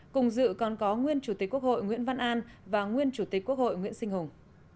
cùng dự còn có nguyên chủ tịch quốc hội nguyễn văn an và nguyên chủ tịch quốc hội nguyễn sinh hùng